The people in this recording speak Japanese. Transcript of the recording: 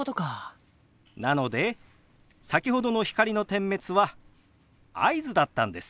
なので先ほどの光の点滅は合図だったんです。